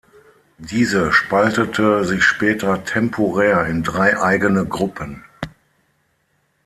Diese spaltete sich später temporär in drei eigene Gruppen.